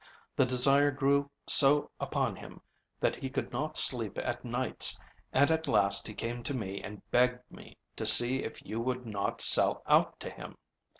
The desire grew so upon him that he could not sleep at nights, and at last he came to me and begged me to see if you would not sell out to him.